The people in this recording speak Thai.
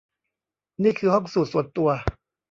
นี่คือห้องสูทส่วนตัว